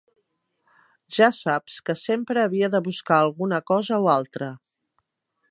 Ja saps que sempre havia de buscar alguna cosa o altra.